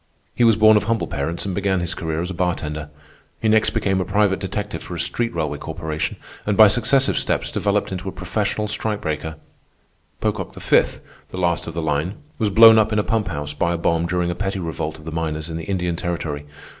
He was born of humble parents, and began his career as a bartender. He next became a private detective for a street railway corporation, and by successive steps developed into a professional strikebreaker. Pocock V., the last of the line, was blown up in a pump house by a bomb during a petty revolt of the miners in the Indian Territory.